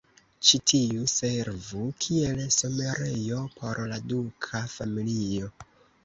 Ĉi tiu servu kiel somerejo por la duka familio.